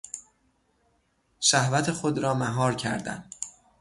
شهوت خود را مهار کردن